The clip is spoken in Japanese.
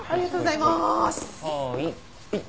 はい。